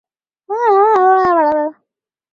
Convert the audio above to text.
这天是不列颠空战的转折点。